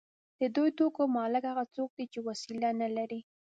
د دې توکو مالک هغه څوک دی چې وسیله نلري